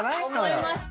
思いました。